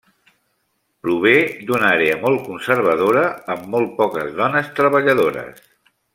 Prové d'una àrea molt conservadora amb molt poques dones treballadores.